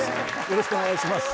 よろしくお願いします。